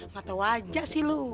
gatau aja sih lo